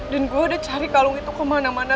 dan gue udah cari kalung itu kemana mana